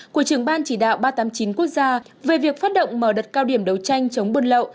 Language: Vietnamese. của trường ban chỉ đạo ba trăm tám mươi chín quốc gia về việc phát động mở đợt cao điểm đấu tranh chống buôn lậu